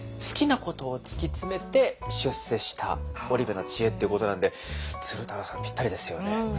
好きなことを突き詰めて出世した織部の知恵ってことなんで鶴太郎さんぴったりですよね。